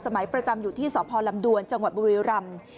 ประจำอยู่ที่สพลำดวนจังหวัดบุรีรำ